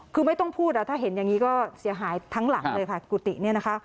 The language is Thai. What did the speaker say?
คือไม่ต้องพูดถ้าเห็นอย่างนี้ก็เสียหายทั้งหลังเลยค่ะกุฏิเนี่ยนะคะ